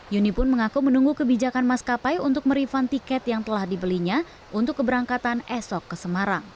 yuni pun mengaku menunggu kebijakan maskapai untuk merifan tiket yang telah dibelinya untuk keberangkatan esok ke semarang